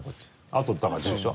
あとだから１０でしょ